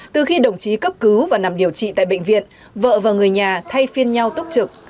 từ khi đồng chí cấp cứu và nằm điều trị tại bệnh viện vợ và người nhà thay phiên nhau túc trực